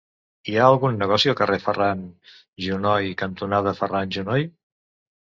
Hi ha algun negoci al carrer Ferran Junoy cantonada Ferran Junoy?